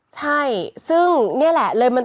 ใช่ซึ่งเนี่ยแหละ